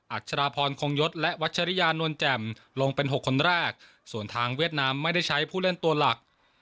ัชราพรคงยศและวัชริยานวลแจ่มลงเป็น๖คนแรกส่วนทางเวียดนามไม่ได้ใช้ผู้เล่นตัวหลัก